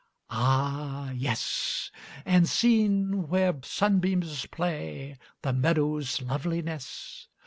"Ah yes!" "And, seen where sunbeams play, The meadows' loveliness?